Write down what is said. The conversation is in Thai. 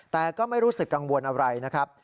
แต่ก็ไม่รู้สึกกังวลอะไรนะครับ